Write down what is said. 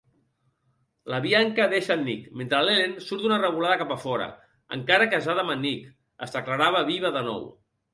La Bianca deixa a en Nick, mentre l'Ellen surt d'una revolada cap a fora, encara casada amb en Nick, es declarava viva de nou.